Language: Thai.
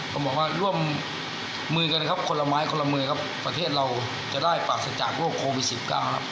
ก็บอกว่าร่วมมือกันนะครับคนละไม้คนละมือครับประเทศเราจะได้ปราศจากโรคโควิด๑๙ครับ